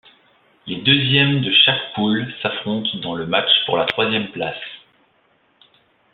Les deuxièmes de chaque poule s'affrontent dans le match pour la troisième place.